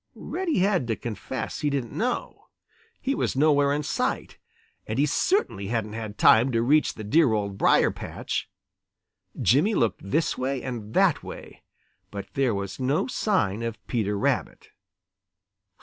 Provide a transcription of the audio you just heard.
Reddy had to confess he didn't know. He was nowhere in sight, and he certainly hadn't had time to reach the dear Old Briar patch. Jimmy looked this way and that way, but there was no sign of Peter Rabbit.